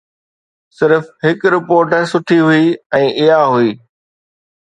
صرف هڪ رپورٽ سٺي هئي ۽ اها هئي.